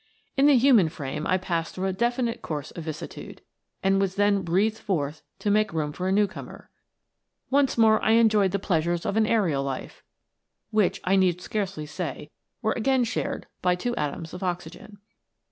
In the human frame I passed through a definite course of vicissitude, and was then breathed forth to make room for a new comer. Once more I enjoyed the pleasures of an aerial life, which, I need scarcely say, were again shared by two atoms of oxygen.